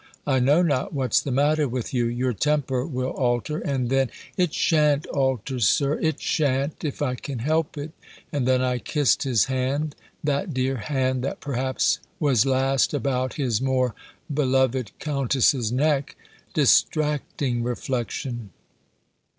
I know not what's the matter with you. Your temper will alter, and then " "It shan't alter, Sir it shan't if I can help it." And then I kissed his hand; that dear hand, that, perhaps, was last about his more beloved Countess's neck Distracting reflection!